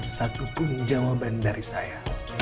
satu pun jawaban dari saya